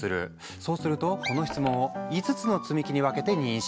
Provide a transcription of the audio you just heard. そうするとこの質問を５つの積み木に分けて認識。